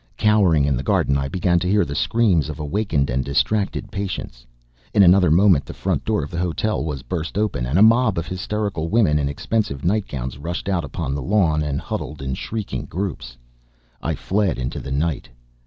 Cowering in the garden, I began to hear the screams of awakened and distracted patients. In another moment, the front door of the hotel was burst open, and a mob of hysterical women in expensive nightgowns rushed out upon the lawn, and huddled in shrieking groups. I fled into the night.